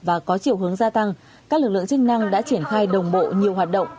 và có chiều hướng gia tăng các lực lượng chức năng đã triển khai đồng bộ nhiều hoạt động